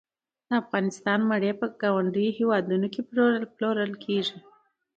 د افغانستان مڼې په ګاونډیو هیوادونو کې پلورل کیږي